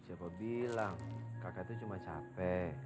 siapa bilang kakak itu cuma capek